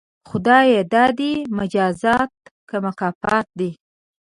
خدایه دا دې مجازات که مکافات دي؟